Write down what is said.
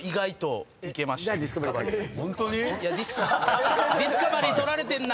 ホントに⁉「ディスカバリー」取られてんな。